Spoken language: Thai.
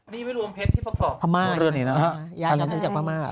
นี่ไม่รวมเพชรที่ประกอบพระม่า